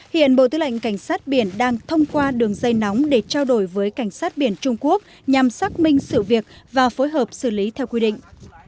hiện bộ tư lệnh cảnh sát biển đang thông qua đường dây nóng để trao đổi với cảnh sát biển trung quốc nhằm xác minh sự việc và phối hợp xử lý theo quy định